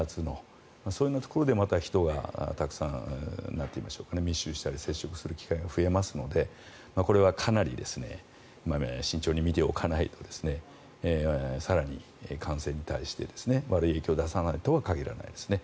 そういうところで人がたくさん密集したり接触したりする機会が増えますのでこれはかなり慎重に見ておかないと更に感染に対して悪い影響を出さないとは限らないですね。